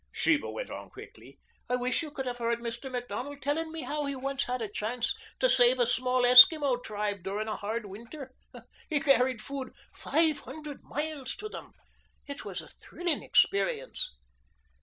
Sheba went on quickly. "I wish you could have heard Mr. Macdonald telling me how he once had a chance to save a small Esquimaux tribe during a hard winter. He carried food five hundred miles to them. It was a thrilling experience."